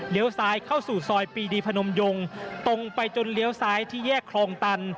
ซ้ายเข้าสู่ซอยปีดีพนมยงตรงไปจนเลี้ยวซ้ายที่แยกคลองตัน